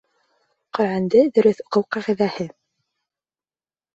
Ҡөрьәнде дөрөҫ уҡыу ҡағиҙәһе.